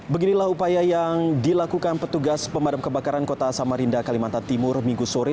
beginilah upaya yang dilakukan petugas pemadam kebakaran kota samarinda kalimantan timur minggu sore